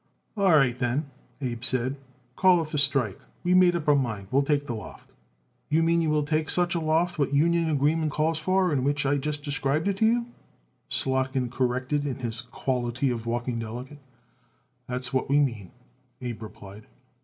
"All right, then," Abe said; "call off the strike. We made up our mind we will take the loft." "You mean you will take such a loft what the union agreement calls for and which I just described it to you," Slotkin corrected in his quality of walking delegate. "That's what we mean," Abe replied.